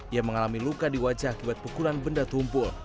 ia mengalami luka di wajah akibat pukulan benda tumpul